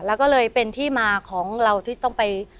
แล้วก็เลยเป็นที่มาของเราที่ต้องไป